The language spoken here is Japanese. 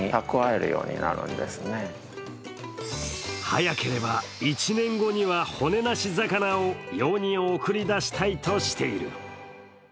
早ければ１年後には骨なし魚を世に送り出したいとしている。